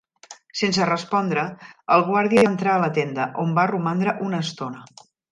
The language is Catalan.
Sense respondre, el guàrdia va entrar a la tenda, on va romandre una estona.